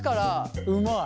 うまい。